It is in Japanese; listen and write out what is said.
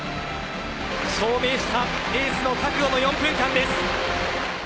証明したエースの覚悟の４分間です。